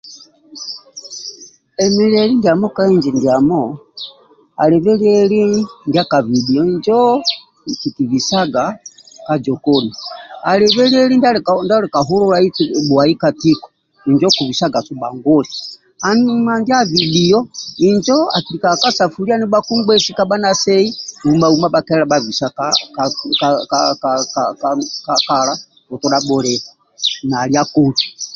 Emi lieli ndiamo ka inji ndiamo alibe lieli ndia kabhidhiyo injo kikibisaga ka jokoni alibe lieli ndio kahululai bwahi katiko injo okubisaga subha guli anyuma ndia bidio injo akilikaga kasapuliya nibhakungbesi kabha nasei uma uma bha kelela bhia bisai kakala bhutodha bhuliya nali akotu